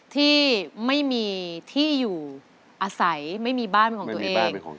ที่ไม่มีที่อยู่อาศัยไม่มีบ้านเป็นของตัวเอง